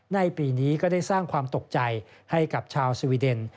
ในปีนี้ก็ได้สร้างความตกใจให้กับชาวสวีเดน